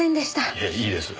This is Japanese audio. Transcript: いやいいですよ。